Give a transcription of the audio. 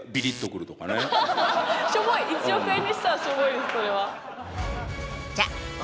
１億円にしてはしょぼいですそれは。